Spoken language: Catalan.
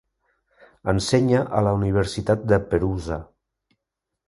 Ensenya a la Universitat de Perusa.